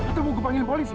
atau mau gue panggil polisi